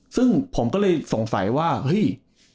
ซึ่งผมก็เลยสงสัยว่าเฮ้ย